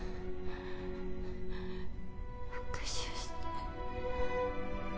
復讐して